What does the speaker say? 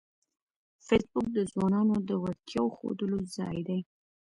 فېسبوک د ځوانانو د وړتیاوو ښودلو ځای دی